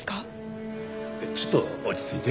ちょっと落ち着いて。